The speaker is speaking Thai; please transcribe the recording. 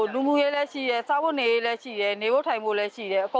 สู่ภาพเองเช่นที่สาวนี้